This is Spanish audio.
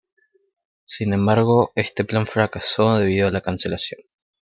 Sin embargo, este plan fracasó debido a la cancelación.